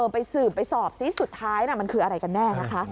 ไปสืบไปสอบซิสุดท้ายมันคืออะไรกันแน่นะคะ